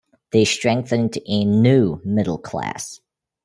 They strengthened a "new" middle class.